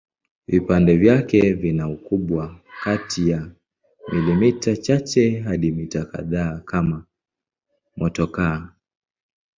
Vipande vyake vina ukubwa kati ya milimita chache hadi mita kadhaa kama motokaa.